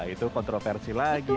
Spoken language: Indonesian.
itu kontroversi lagi